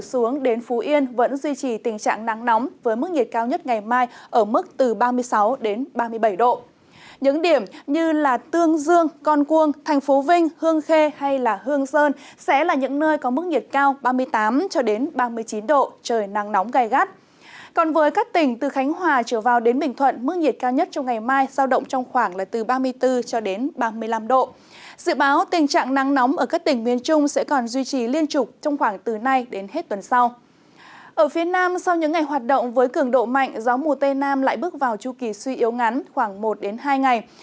sau những ngày hoạt động với cường độ mạnh gió mùa tây nam lại bước vào chu kỳ suy yếu ngắn khoảng một hai ngày